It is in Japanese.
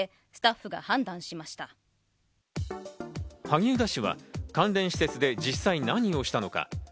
萩生田氏は関連施設で実際、何をしたのか。